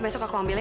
besok aku ambil ya